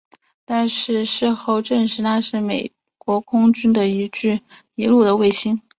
但是事后证实那是美国空军的一具迷路的卫星。